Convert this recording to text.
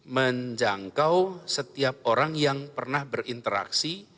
menjangkau setiap orang yang pernah berinteraksi